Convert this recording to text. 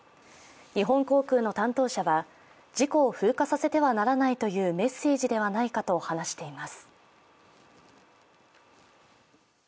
日本航空の担当者は、事故を風化させてはならないというメッセージではないかと話しています。